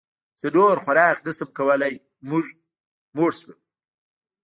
زه نور خوراک نه شم کولی موړ شوم